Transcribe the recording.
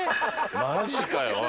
マジかよおい。